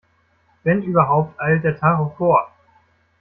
Wenn überhaupt, eilt der Tacho vor.